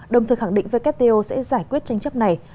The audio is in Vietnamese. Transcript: đồng thời khẳng định wto sẽ giải quyết tranh chấp này